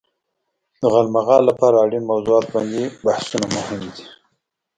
د غالمغال لپاره اړين موضوعات باندې بحثونه مهم دي.